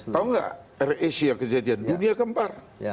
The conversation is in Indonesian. tahu gak asia kejadian dunia keempar